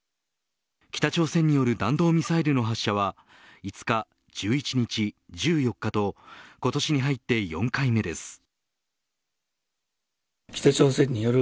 北朝鮮による弾道ミサイルの発射は５日、１１日１４日と今年に入って４回目です。